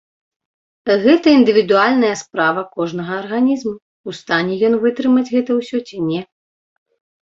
Гэта індывідуальная справа кожнага арганізму, у стане ён вытрымаць гэта ўсё ці не.